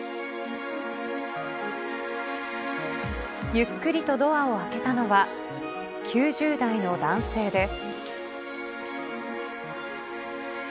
ゆっくりとドアを開けたのは９０代の男性です。